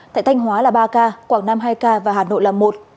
tại thanh hóa là ba ca quảng nam hai ca và hà nội là một